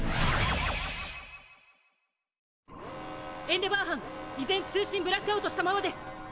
エンデヴァー班依然通信ブラックアウトしたままです！